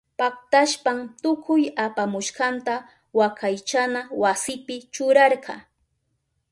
Paktashpan tukuy apamushkanta wakaychana wasipi churarka.